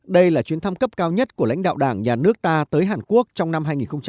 đây là chuyến thăm cấp cao nhất của lãnh đạo đảng nhà nước ta tới hàn quốc trong năm hai nghìn một mươi chín